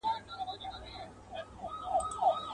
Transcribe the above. شاهدان كه د چا ډېر وه د ظلمونو.